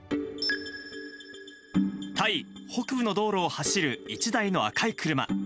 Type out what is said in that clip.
タイ北部の道路を走る１台の赤い車。